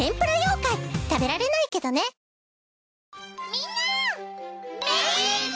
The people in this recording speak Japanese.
みんな。